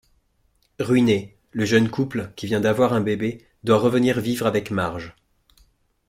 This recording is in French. Ruiné, le jeune couple, qui vient d'avoir un bébé, doit revenir vivre avec Marge.